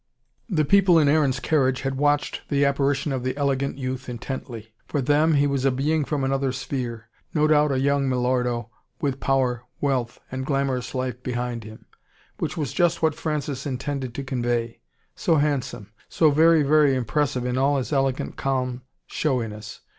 The people in Aaron's carriage had watched the apparition of the elegant youth intently. For them, he was a being from another sphere no doubt a young milordo with power wealth, and glamorous life behind him. Which was just what Francis intended to convey. So handsome so very, very impressive in all his elegant calm showiness.